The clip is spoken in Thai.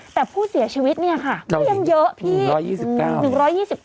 แต่ผู้เสียชีวิตเนี่ยค่ะก็ยังเยอะพี่